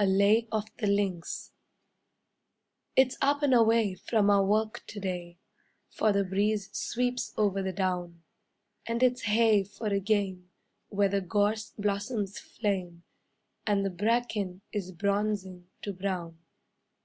A LAY OF THE LINKS It's up and away from our work to day, For the breeze sweeps over the down; And it's hey for a game where the gorse blossoms flame, And the bracken is bronzing to brown.